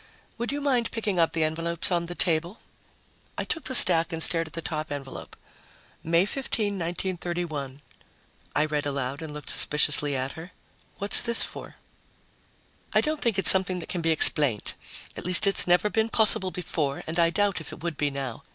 Would you mind picking up the envelopes on the table?" I took the stack and stared at the top envelope. "May 15, 1931," I read aloud, and looked suspiciously at her. "What's this for?" "I don't think it's something that can be explained. At least it's never been possible before and I doubt if it would be now.